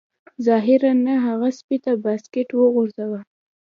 ظاهراً نه هغه سپي ته بسکټ وغورځاوه